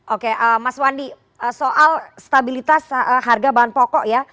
oke mas wandi soal stabilitas harga bahan pokok ya